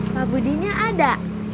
pak budi nya ada